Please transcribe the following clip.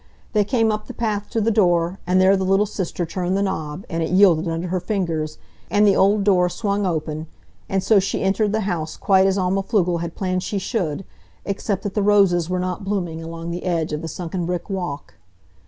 They came up the path to the door, and there the little sister turned the knob, and it yielded under her fingers, and the old door swung open; and so she entered the house quite as Alma Pflugel had planned she should, except that the roses were not blooming along the edge of the sunken brick walk.